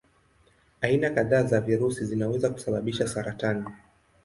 Aina kadhaa za virusi zinaweza kusababisha saratani.